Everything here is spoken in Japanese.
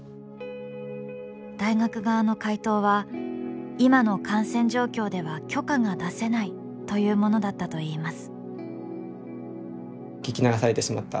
大学側の回答は「今の感染状況では許可が出せない」というものだったといいます。